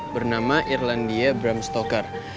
bernama irlandia bram stoker